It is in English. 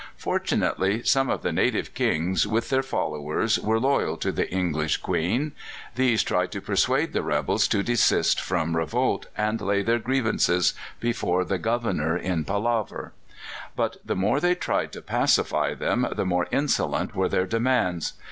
Fortunately, some of the native Kings, with their followers, were loyal to the English Queen; these tried to persuade the rebels to desist from revolt, and lay their grievances before the Governor in palaver. But the more they tried to pacify them, the more insolent were their demands.